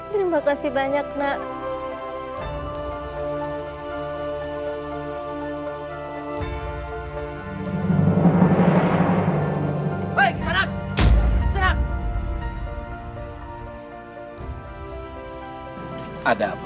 terima kasih banyak nak